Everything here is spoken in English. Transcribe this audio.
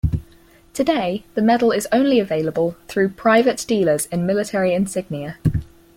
Today, the medal is only available through private dealers in military insignia.